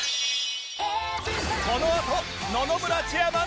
このあと野々村チェアマン登場！